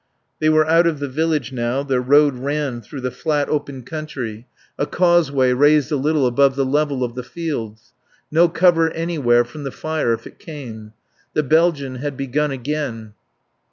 They were out of the village now. Their road ran through flat open country, a causeway raised a little above the level of the fields. No cover anywhere from the fire if it came. The Belgian had begun again.